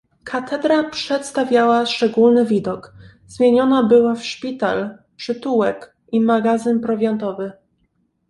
"Katedra przedstawiała szczególny widok: zmieniona była w szpital, przytułek i magazyn prowiantowy."